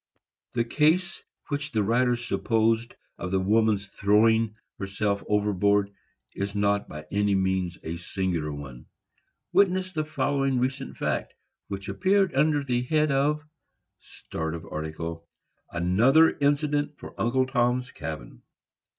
The case which the writer supposed of the woman's throwing herself overboard is not by any means a singular one. Witness the following recent fact, which appeared under the head of ANOTHER INCIDENT FOR "UNCLE TOM'S CABIN."